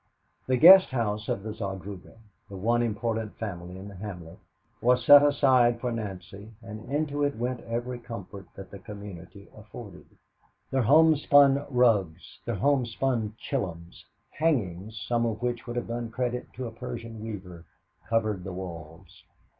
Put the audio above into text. The guest house of the Zadruga, the one important family in the hamlet, was set aside for Nancy, and into it went every comfort that the community afforded their homespun rugs, their homespun "tchilms" hangings, some of which would have done credit to a Persian weaver covered the walls.